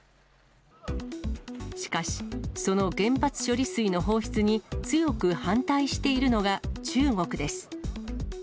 しかし、その原発処理水の放出に強く反対しているのが中国です。